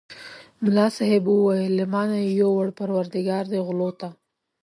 ملا صاحب وویل له ما نه یې یووړ پرودګار دې غلو ته.